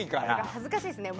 恥ずかしいですね。